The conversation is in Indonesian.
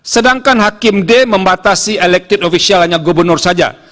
sedangkan hakim d membatasi elected official hanya gubernur saja